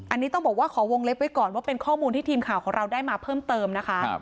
อันนี้ต้องบอกว่าขอวงเล็บไว้ก่อนว่าเป็นข้อมูลที่ทีมข่าวของเราได้มาเพิ่มเติมนะคะ